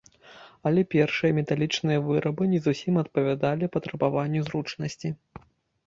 Але першыя металічныя вырабы не зусім адпавядалі патрабаванню зручнасці.